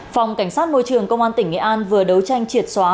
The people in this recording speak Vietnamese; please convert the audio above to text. phòng cảnh sát môi trường công an tỉnh nghệ an vừa đấu tranh triệt xóa